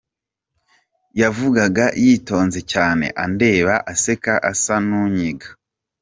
Yavugaga yitonze cyane, andeba, aseka, asa nunyiga.